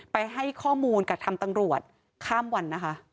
ไปให้ข้อมูลกับทางตำรวจข้ามวันนะคะ